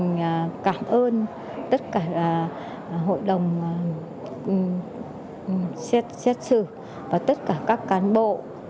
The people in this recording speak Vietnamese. tôi chân thành cảm ơn tất cả hội đồng xét xử và tất cả các cán bộ